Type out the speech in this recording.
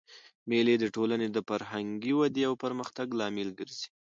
مېلې د ټولني د فرهنګي ودئ او پرمختګ لامل ګرځي.